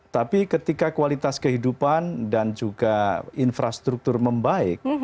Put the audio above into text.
tapi ketika kualitas kehidupan dan juga infrastruktur membaik